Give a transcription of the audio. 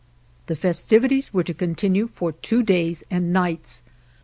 The festivities were to continue for two days and nights.